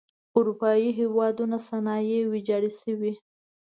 اروپايي هېوادونو صنایع ویجاړې شوئ.